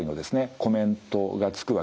コメントがつくわけですね。